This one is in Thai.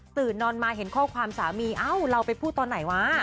นอนมาเห็นข้อความสามีเอ้าเราไปพูดตอนไหนวะ